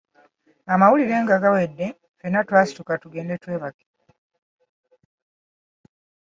Amawulire nga gawedde, ffenna twasituka tugende twebake.